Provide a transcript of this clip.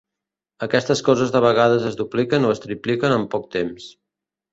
Aquestes coses de vegades es dupliquen o es tripliquen en poc temps.